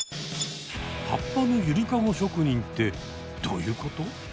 葉っぱのユリカゴ職人ってどういうこと？